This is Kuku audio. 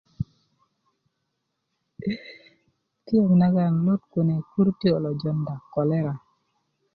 piöŋ nagan lut kune kurutiyö lo jonda kolera